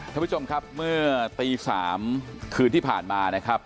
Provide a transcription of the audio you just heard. ท่านผู้ชมครับเมื่อตี๓คืนที่ผ่านมานะครับ